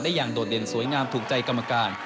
อย่างโดดเด่นสวยงามถูกใจกรรมการ